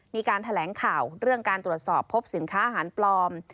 มีการแถลงข่าวเรื่องการตรวจสอบพบสินค้าอาหารปลอม